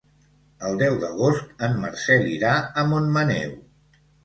El deu d'agost en Marcel irà a Montmaneu.